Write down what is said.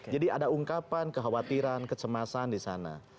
jadi ada ungkapan kekhawatiran kecemasan di sana